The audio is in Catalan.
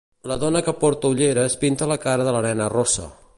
la dona que porta ulleres pinta la cara de la nena rossa.